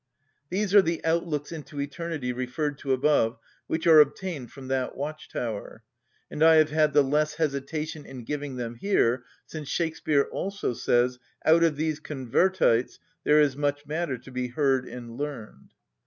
These are the outlooks into eternity referred to above which are obtained from that watch‐tower; and I have had the less hesitation in giving them here since Shakspeare also says— "Out of these convertites There is much matter to be heard and learned."